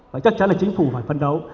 và chắc chắn là chính phủ phải phân đấu